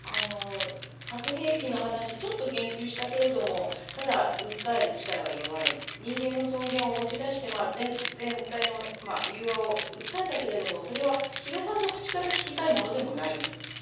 核兵器の話、ちょっと言及したけど訴える力が弱い、人間の尊厳を持ち出して全体の融和を引き出したけれどもそれは岸田さんの口から聞きたいものでもないと。